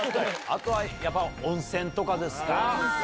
あとはやっぱり温泉とかですか。